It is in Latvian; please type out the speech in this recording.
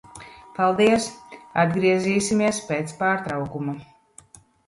Paldies. Atgriezīsimies pēc pārtraukuma.